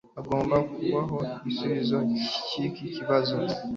Hagomba kubaho igisubizo cyiki kibazo.